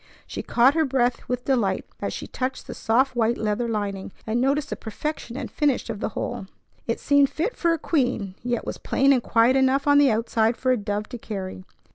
She caught her breath with delight as she touched the soft white leather lining, and noticed the perfection and finish of the whole. It seemed fit for a queen, yet was plain and quiet enough on the outside for a dove to carry.